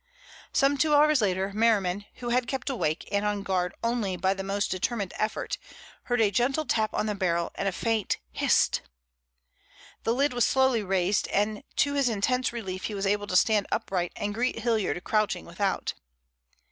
Some two hours later Merriman, who had kept awake and on guard only by the most determined effort, heard a gentle tap on the barrel and a faint "Hist!" The lid was slowly raised, and to his intense relief he was able to stand upright and greet Hilliard crouching without.